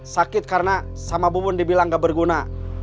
sakit karena sama bubun dibilang gak berguna